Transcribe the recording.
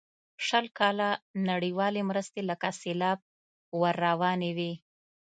شل کاله نړیوالې مرستې لکه سیلاب ور روانې وې.